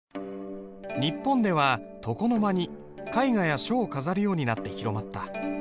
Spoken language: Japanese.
日本では床の間に絵画や書を飾るようになって広まった。